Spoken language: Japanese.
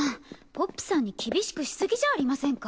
ポップさんに厳しくしすぎじゃありませんか？